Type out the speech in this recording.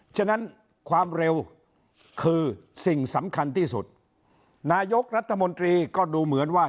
ฉะนั้นความเร็วคือสิ่งสำคัญที่สุดนายกรัฐมนตรีก็ดูเหมือนว่า